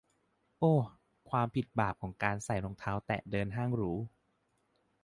โอ้ ความผิดบาปของการใส่รองเท้าแตะเดินห้างหรู